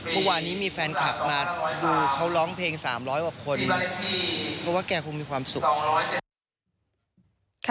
เมื่อวานนี้มีแฟนคลับมาดูเขาร้องเพลง๓๐๐กว่าคนเพราะว่าแกคงมีความสุข